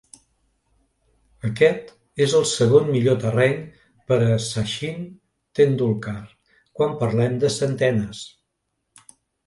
Aquest és el segon millor terreny per a Sachin Tendulkar quan parlem de centenes.